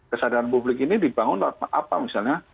kesadaran publik ini dibangun apa misalnya